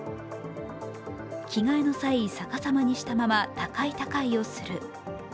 着替えの際、逆さまにしたままたかいたかいをする。